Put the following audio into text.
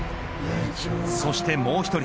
そしてもう１人。